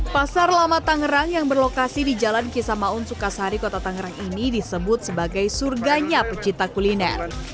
pasar lama tangerang yang berlokasi di jalan kisamaun sukasari kota tangerang ini disebut sebagai surganya pecinta kuliner